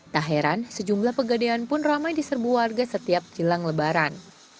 tak heran sejumlah pegadean pun ramai di serbu warga setiap jelang lebaran